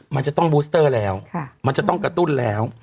มันจะต้องบูสเตอร์แล้วมันจะต้องกระตุ้นแล้ว